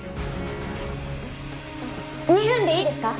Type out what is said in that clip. ２分でいいですか？